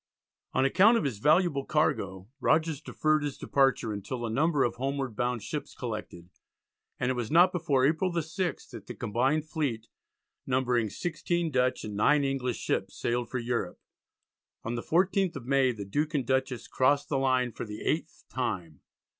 On account of his valuable cargo Rogers deferred his departure until a number of homeward bound ships collected, and it was not before April the 6th that the combined fleet, numbering 16 Dutch and 9 English ships, sailed for Europe. On the 14th of May the Duke and Dutchess crossed the line for the eighth time.